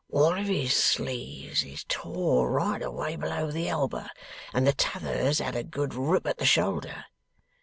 'One of his sleeves is tore right away below the elber, and the t'other's had a good rip at the shoulder.